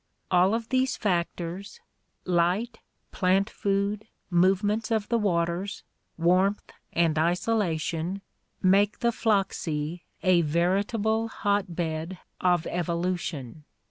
All of these factors, light, plant food, movements of the waters, warmth, and isolation, make the Flachsee a veritable hot bed of evolution.